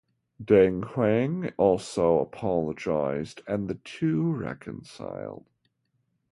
Deng Qiang also apologised and the two reconciled.